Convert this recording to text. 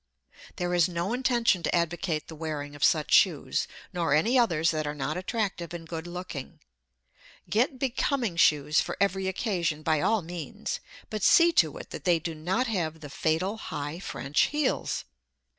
There is no intention to advocate the wearing of such shoes, nor any others that are not attractive and good looking. Get becoming shoes for every occasion, by all means, but see to it that they do not have the fatal, high French heels.